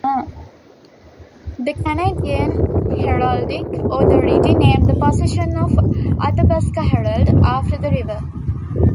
The Canadian Heraldic Authority named the position of Athabaska Herald after the river.